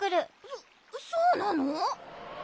そそうなの？